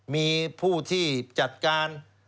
มีผู้ที่จัดการ